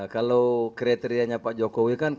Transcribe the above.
kalau kriterianya pak jokowi kan kerutan wajah banyak